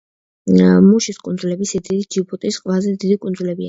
მუშის კუნძულები სიდიდით ჯიბუტის ყველაზე დიდი კუნძულებია.